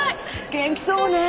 元気そうね。